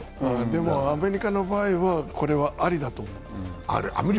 でも、アメリカの場合はこれはありだと思います。